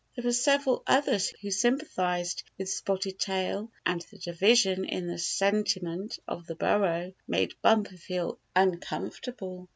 There were several others who sympathized with Spotted Tail, and the division in the senti ment of the burrow made Bumper feel imcom fortable.